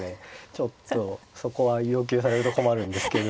ちょっとそこは要求されると困るんですけど。